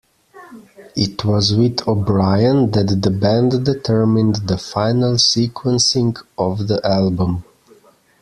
It was with O'Brien that the band determined the final sequencing of the album.